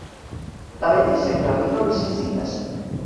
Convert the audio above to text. La Betty sempre arriba a misses dites.